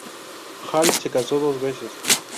Hall se casó dos veces.